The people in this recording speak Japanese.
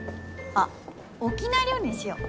あっ沖縄料理にしよう！